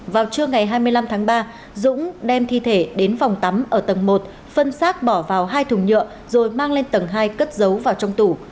vào trưa ngày hai mươi năm tháng ba dũng đem thi thể đến phòng tắm ở tầng một phân xác bỏ vào hai thùng nhựa rồi mang lên tầng hai cất giấu vào trong tủ